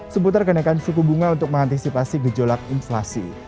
seputar kenaikan suku bunga untuk mengantisipasi gejolak inflasi